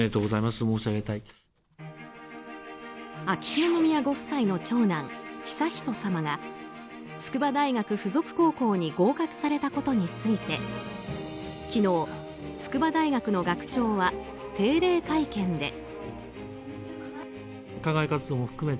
秋篠宮ご夫妻の長男悠仁さまが筑波大学附属高校に合格されたことについて昨日、筑波大学の学長は定例会見で。